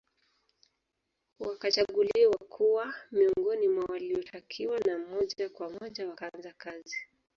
Wakachaguliwa kuwa miongoni mwa waliotakiwa na moja kwa moja wakaanza kazi